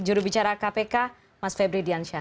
juru bicara kpk mas febri diansyah